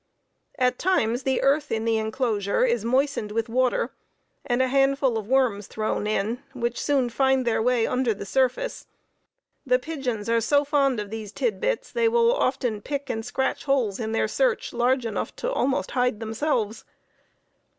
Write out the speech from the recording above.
At times the earth in the inclosure is moistened with water and a handful of worms thrown in, which soon find their way under the surface. The pigeons are so fond of these tid bits they will often pick and scratch holes in their search, large enough to almost hide themselves.